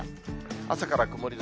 朝から曇り空。